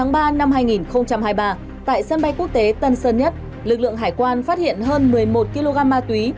ngày một mươi sáu tháng ba năm hai nghìn hai mươi ba tại sân bay quốc tế tân sơn nhất lực lượng hải quan phát hiện hơn một mươi một kg ma túy